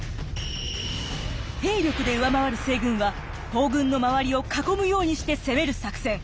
兵力で上回る西軍は東軍の周りを囲むようにして攻める作戦。